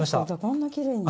こんなきれいに。